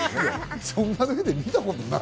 そんな目で見たことない。